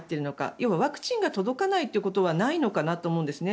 要はワクチンが届かないということはないのかなと思うんですね。